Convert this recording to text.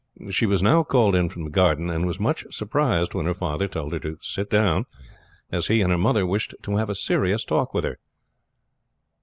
She was now called in from the garden, and was much surprised when her father told her to sit down, as he and her mother wished to have a serious talk with her.